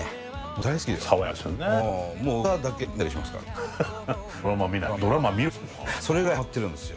大好きですよ。